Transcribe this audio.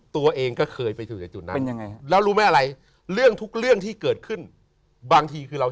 ตัวเองก็เคยไปถึงจุดนั้น